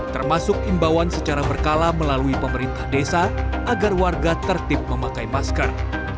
termasuk imbauan secara berkala melalui pemerintah desa agar warga tertib memakai masker